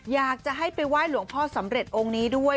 อยากจะให้ไปไหว้หลวงพ่อสำเร็จองค์นี้ด้วย